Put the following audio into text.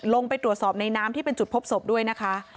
ลงไปตรวจสอบในน้ำที่เป็นจุดพบศพด้วยนะคะ